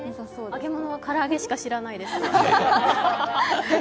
揚げ物は唐揚げしか知らないです。